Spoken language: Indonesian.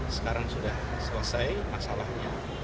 sekarang sudah selesai masalahnya